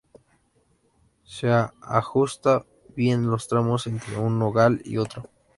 Se ajusta bien los tramos entre un ojal y otro.